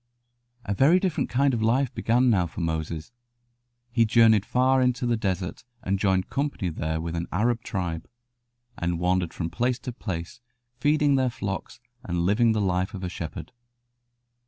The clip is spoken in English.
A very different kind of life began now for Moses. He journeyed far into the desert and joined company there with an Arab tribe, and wandered from place to place feeding their flocks and living the life of a shepherd.